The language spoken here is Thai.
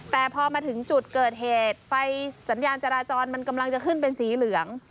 แต่พอมาถึงจุดเกิดเหตุไฟสัญญาณจราจรมันกำลังจะขึ้นเป็นสีเหลือง